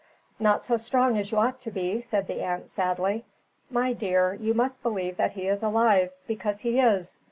"Not so strong as you ought to be," said the aunt, sadly. "My dear, you must believe that he is alive, because he is.